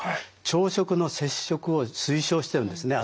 朝食の摂食を推奨してるんですね。